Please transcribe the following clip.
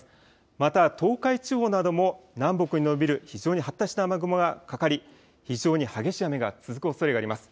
また東海地方なども、南北に延びる非常に発達した雨雲がかかり、非常に激しい雨が続くおそれがあります。